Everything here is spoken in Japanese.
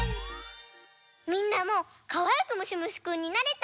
みんなもかわいくむしむしくんになれた？